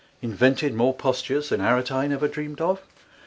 Invented more Postures than Aretine ever Dreamed of!